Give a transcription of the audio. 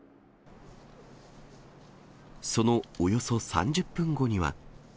そのおよそ３０分後には。